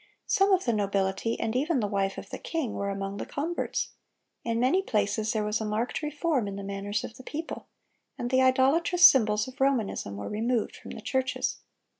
Some of the nobility, and even the wife of the king, were among the converts. In many places there was a marked reform in the manners of the people, and the idolatrous symbols of Romanism were removed from the churches.